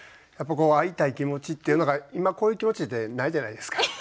やっぱ会いたい気持ちっていうのが今こういう気持ちってないじゃないですか。